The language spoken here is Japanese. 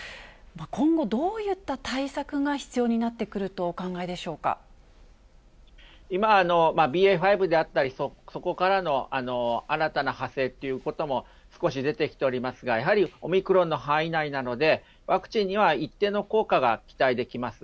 今後、どういった対策が必要にな今、ＢＡ．５であったり、そこからの新たな派生っていうことも少し出てきておりますが、やはりオミクロンの範囲内なので、ワクチンには一定の効果が期待できます。